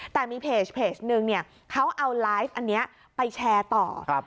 แต่มีเพจนึงเนี่ยเขาเอาไลฟ์อันนี้ไปแชร์ต่อ